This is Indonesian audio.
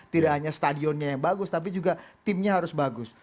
tidak hanya stadionnya yang bagus tapi juga timnya harus bagus